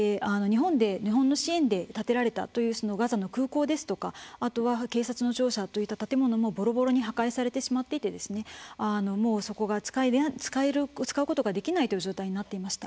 日本の支援で建てられたというガザの空港や警察の庁舎といった建物も破壊されてしまっていてそこが使うことができない状態になっていました。